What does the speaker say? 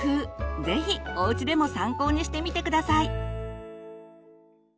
ぜひおうちでも参考にしてみて下さい。